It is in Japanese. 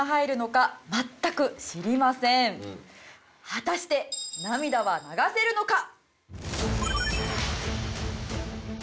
果たして涙は流せるのか？